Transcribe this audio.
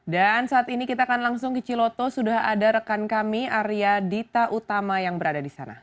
dan saat ini kita akan langsung ke ciloto sudah ada rekan kami arya dita utama yang berada di sana